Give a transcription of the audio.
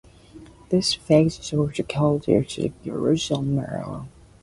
This phase is also called the quark-gluon plasma.